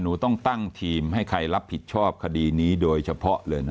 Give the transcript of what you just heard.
หนูต้องตั้งทีมให้ใครรับผิดชอบคดีนี้โดยเฉพาะเลยนะ